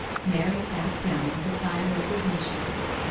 '* Mary sat down with a sigh of resignation.